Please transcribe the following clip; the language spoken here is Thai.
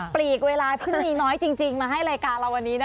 ปลีกเวลาที่มีน้อยจริงมาให้รายการเราวันนี้นะคะ